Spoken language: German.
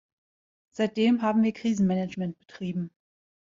Seitdem haben wir Krisenmanagement betrieben.